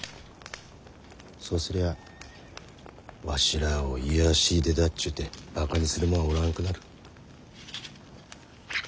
そうすりゃあわしらあを卑しい出だっちゅてバカにするもんはおらんくなる。